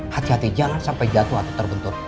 hati hati jangan sampai jatuh atau terbentur